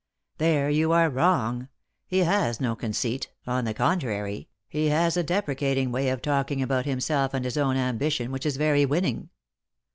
" There you are wrong. He has no conceit; on the contrary, he has a deprecating way of talking about himself and his own ambition which is very winning."